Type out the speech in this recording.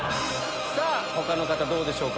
他の方どうでしょうか？